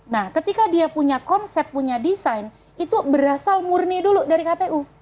nah ketika dia punya konsep punya desain itu berasal murni dulu dari kpu